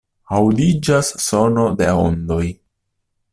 Aŭdiĝas sono de ondoj.